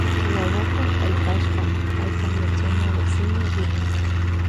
Wawak kalpashpa paypa yachanawasima rin.